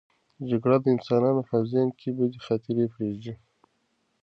جګړه د انسانانو په ذهن کې بدې خاطرې پرېږدي.